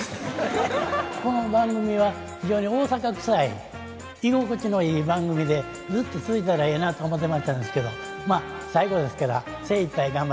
この番組は非常に大阪くさい居心地のいい番組でずっと続いたらええなと思うてましたんですけどまあ最後ですから精いっぱい頑張ります。